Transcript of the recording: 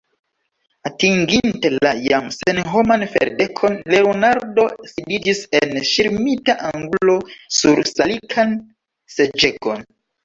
Atinginte la jam senhoman ferdekon, Leonardo sidiĝis en ŝirmita angulo sur salikan seĝegon.